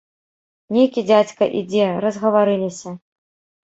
Нейкі дзядзька ідзе, разгаварыліся.